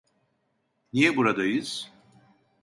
Niye buradayız?